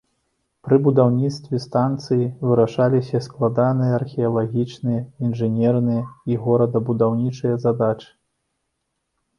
Пры будаўніцтве станцыі вырашаліся складаныя археалагічныя, інжынерныя і горадабудаўнічыя задачы.